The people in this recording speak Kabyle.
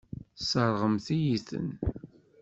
Tesseṛɣemt-iyi-ten.